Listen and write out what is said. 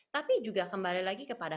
tapi juga kembali lagi kepada